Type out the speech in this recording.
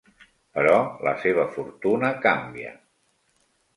Però la seva fortuna canvia.